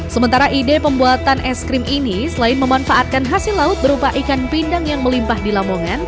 sementara ide pembuatan es krim ini selain memanfaatkan hasil laut berupa ikan pindang yang melimpah di lamongan